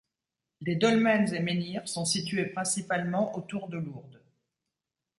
Les dolmens et menhirs sont situés principalement autour de Lourdes.